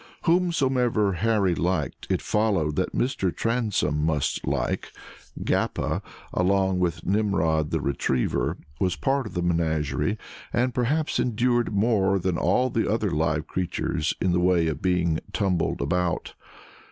Whomsoever Harry liked, it followed that Mr. Transome must like: "Gappa," along with Nimrod the retriever, was part of the menagerie, and perhaps endured more than all the other live creatures in the way of being tumbled about.